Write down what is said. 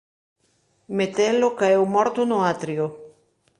Metelo caeu morto no atrio.